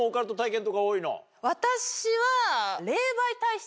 私は。